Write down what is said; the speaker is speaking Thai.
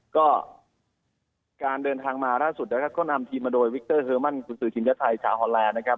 ก็การเดินทางมาล่าสุดนะครับก็นำทีมมาโดยวิกเตอร์เฮอร์มั่นกุญสือทีมชาติไทยชาวฮอนแลนด์นะครับ